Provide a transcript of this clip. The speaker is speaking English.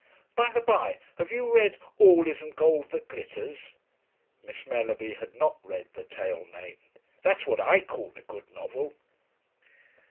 By the bye have you read 'All Isn't Gold That Glitters?'" Miss Mellerby had not read the tale named. "That's what I call a good novel."